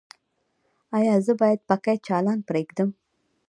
ایا زه باید پکۍ چالانه پریږدم؟